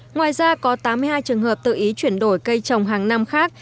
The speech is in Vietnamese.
ngoài ra có tám mươi hai trường hợp tự ý chuyển đổi cây trồng hàng năm khác